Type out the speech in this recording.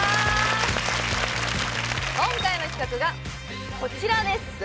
今回の企画がこちらです